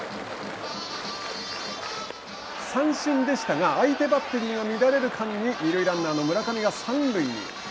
三振でしたが相手バッテリーが乱れる間に二塁ランナーの村上が三塁に。